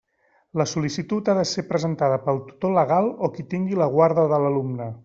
La sol·licitud ha de ser presentada pel tutor legal o qui tingui la guarda de l'alumne.